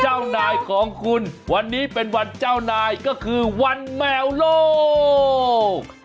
เจ้านายของคุณวันนี้เป็นวันเจ้านายก็คือวันแมวโลก